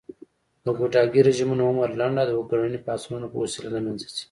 د ګوډاګي رژيمونه عمر لنډ او د وګړني پاڅونونو په وسیله له منځه ځي